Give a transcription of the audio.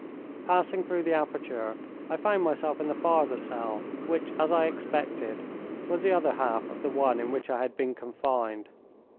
Passing through the aperture I found myself in the farther cell, which, as I expected, was the other half of the one in which I had been confined.